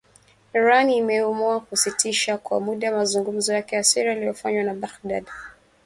Iran imeamua kusitisha kwa muda mazungumzo yake ya siri yaliyofanywa na Baghdad